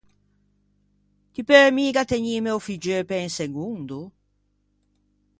Ti peu miga tegnîme o figgeu pe un segondo?